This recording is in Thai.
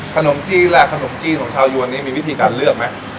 ขนมจีนและขนมจีนของชาวยวนนี้มีวิธีการเลือกไหม